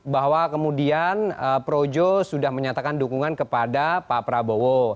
bahwa kemudian projo sudah menyatakan dukungan kepada pak prabowo